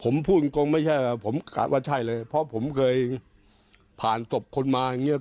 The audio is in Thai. ผมพูดตรงไม่ใช่ว่าผมขาดว่าใช่เลยเพราะผมเคยผ่านศพคนมาอย่างเงี้